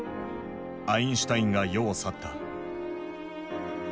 アインシュタインが世を去った。